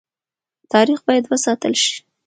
تاریخ باید وساتل شي